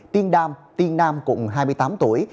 tiên đam tiên nam hai mươi tám tuổi